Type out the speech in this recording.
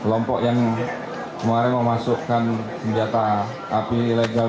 lompok yang kemarin memasukkan senjata api legal